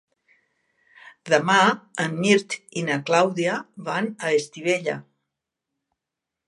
Demà en Mirt i na Clàudia van a Estivella.